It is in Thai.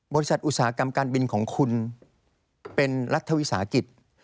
อุตสาหกรรมการบินของคุณเป็นรัฐวิสาหกิจ